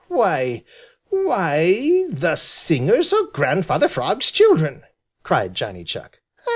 "Why why e e! The singers are Grandfather Frog's children!" cried Johnny Chuck.